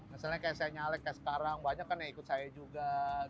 misalnya kayak saya nyalek kayak sekarang banyak kan yang ikut saya juga